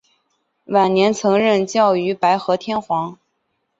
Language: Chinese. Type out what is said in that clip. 晚年曾任教于白河天皇。